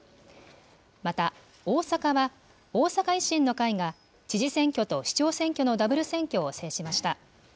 また大阪は、大阪維新の会が知事選挙と市長選挙のダブル選挙を制しました。